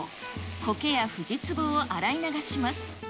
コケやフジツボを洗い流します。